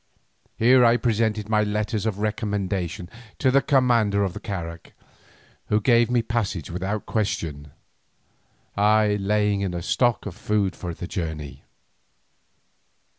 Here I presented my letters of recommendation to the commander of the carak, who gave me passage without question, I laying in a stock of food for the journey.